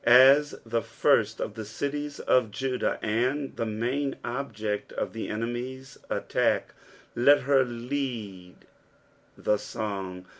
As the first of the cities of Judah, and the muD object of the enemies' attack, let her lead the song.